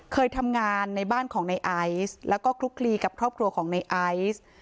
เคยทำงานในบ้านของในไอซ์แล้วก็คลุกคลีกับครอบครัวของในไอซ์